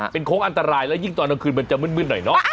เป็นโค้งอันตรายแล้วยิ่งตอนกลางคืนมันจะมืดหน่อยเนอะ